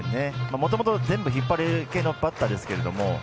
もともと全部引っ張る系のバッターですけども。